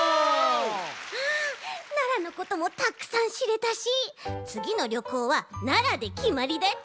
奈良のこともたくさんしれたしつぎのりょこうは奈良できまりだち！